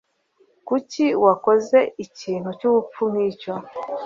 Kuki wakoze ikintu cyubupfu nkicyo?